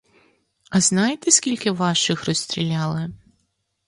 А знаєте, скільки ваших розстріляли?